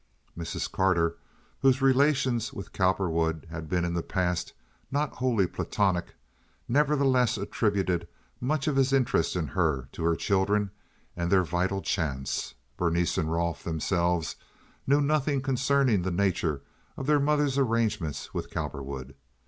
Mrs. Carter, whose relations with Cowperwood had in the past been not wholly platonic, nevertheless attributed much of his interest in her to her children and their vital chance. Berenice and Rolfe themselves knew nothing concerning the nature of their mother's arrangements with Cowperwood.